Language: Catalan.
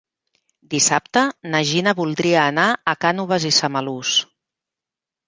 Dissabte na Gina voldria anar a Cànoves i Samalús.